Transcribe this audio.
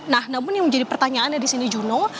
nah namun yang menjadi pertanyaannya disini juno